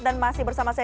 dan masih bersama saya